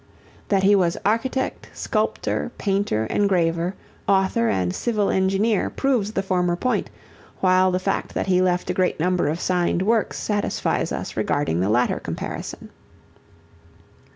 That he was architect, sculptor, painter, engraver, author and civil engineer proves the former point, while the fact that he left a great number of signed works satisfies us regarding the latter comparison.